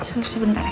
tunggu sebentar ya